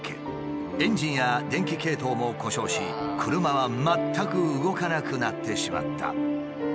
エンジンや電気系統も故障し車は全く動かなくなってしまった。